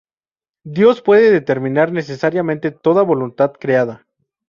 Dios puede determinar necesariamente toda voluntad creada.